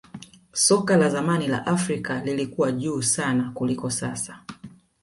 soka la zamani la afrika lilikuwa juu sana kuliko sasa